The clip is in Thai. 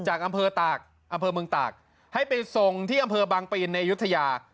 จากอำเภอตากอำเภอเมืองตากให้ไปส่งที่อำเภอบางปีนในยุธยา